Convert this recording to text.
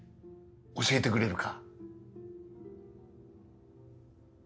教えてくれるか？